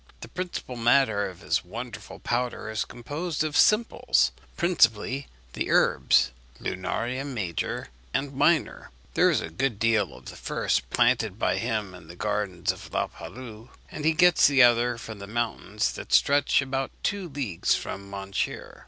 The principal matter of his wonderful powder is composed of simples, principally the herbs Lunaria major and minor. There is a good deal of the first planted by him in the gardens of La Palu; and he gets the other from the mountains that stretch about two leagues from Montier.